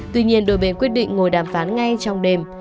tuy nhiên đôi bên quyết định ngồi đàm phán ngay trong đêm